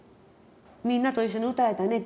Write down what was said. みんなと一緒に歌えたねって。